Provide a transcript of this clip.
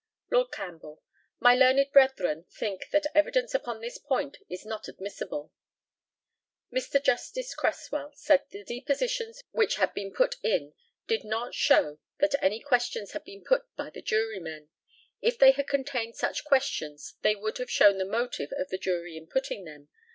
Lord CAMPBELL: My learned brethren think that evidence upon this point is not admissible. Mr. Justice CRESSWELL said the depositions which had been put in did not show that any questions had been put by the jurymen. If they had contained such questions they would have shown the motive of the jury in putting them.